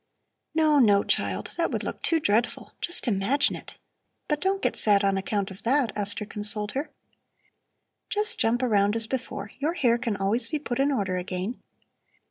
"No, no, child; that would look too dreadful. Just imagine it! But don't get sad on account of that," Esther consoled her. "Just jump around as before! Your hair can always be put in order again.